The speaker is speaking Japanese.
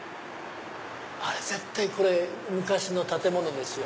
絶対これ昔の建物ですよ。